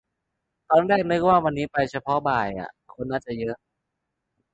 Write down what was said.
ตอนแรกนึกว่าวันนี้ไปเฉพาะบ่ายอ่ะ คนน่าจะเยอะ